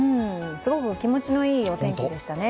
すごく気持ちのいいお天気でしたね。